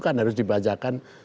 kan harus dibacakan